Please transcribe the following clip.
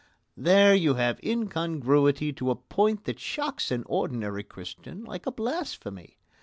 There you have incongruity to a point that shocks an ordinary Christian like a blasphemy.